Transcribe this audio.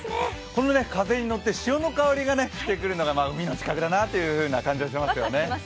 この風に乗って潮の香りがしてくるのが海の近くだなという感じがしますよね。